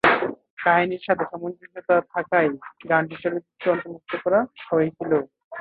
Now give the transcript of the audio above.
কাহিনীর সাথে সামঞ্জস্যতা থাকায় গানটি চলচ্চিত্রে অন্তর্ভুক্ত করা হয়েছিল।